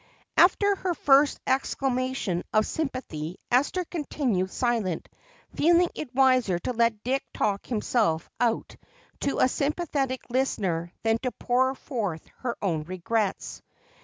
After her first exclamation of sympathy Esther continued silent, feeling it wiser to let Dick talk himself out to a sympathetic listener than to pour forth her own regrets.